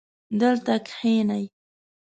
دلته کښېنئ